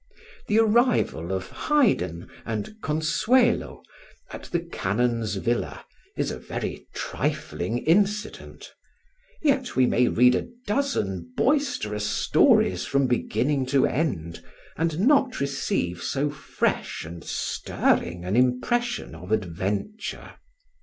The arrival of Haydn and Consuelo at the Canon's villa is a very trifling incident; yet we may read a dozen boisterous stories from beginning to end, and not receive so fresh and stirring an impression of adventure.